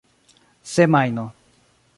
semajno